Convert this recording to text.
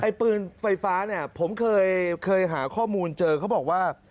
ไอ้ปืนไฟฟ้าผมเคยหาข้อมูลเจอเค้าบอกว่า